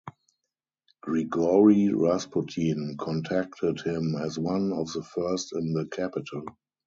Grigori Rasputin contacted him as one of the first in the capital.